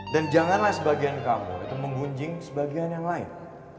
dan janganlah sebagian kamu saling menggunjing dengan sebagian yang lain